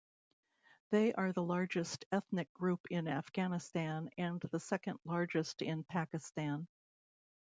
They are the largest ethnic group in Afghanistan and the second largest in Pakistan.